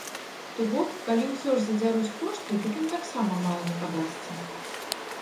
То бок, калі ўсё ж задзяруць кошты, дык ім таксама мала не падасца!